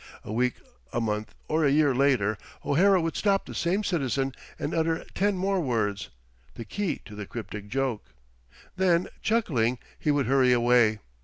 A week, a month, or a year later O'Hara would stop the same citizen and utter ten more words, the key to the cryptic joke. Then, chuckling, he would hurry away.